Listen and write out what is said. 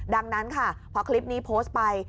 ดังนั้นค่ะพอคลิปนี้โพสต์ไป